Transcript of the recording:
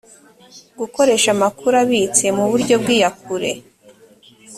gukoresha amakuru abitse mu buryo bw’iyakure